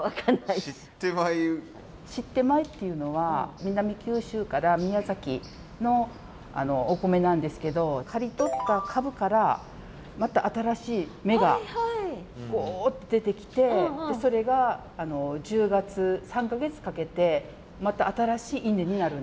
シッテ米っていうのは南九州から宮崎のお米なんですけど刈り取った株からまた新しい芽が出てきてそれが１０月３か月かけてまた新しい稲になるんです。